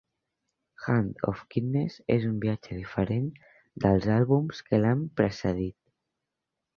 "Hand of Kindness" és un viatge diferent dels àlbums que l'han precedit.